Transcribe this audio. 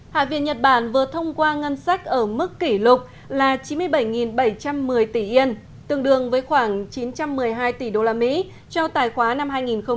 hạ viện nhật bản vừa thông qua ngân sách ở mức kỷ lục là chín mươi bảy bảy trăm một mươi tỷ yên tương đương với khoảng chín trăm một mươi hai tỷ usd cho tài khoá năm hai nghìn một mươi bảy